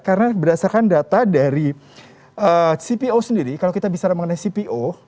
karena berdasarkan data dari cpo sendiri kalau kita bisa mengenai cpo